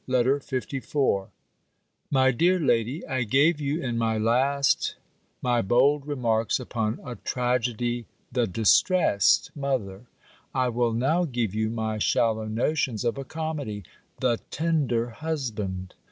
B. LETTER LIV MY DEAR LADY, I gave you in my last my bold remarks upon a TRAGEDY The Distressed Mother. I will now give you my shallow notions of a COMEDY The Tender Husband.